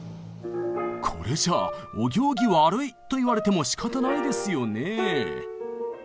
これじゃあお行儀悪いと言われてもしかたないですよねえ。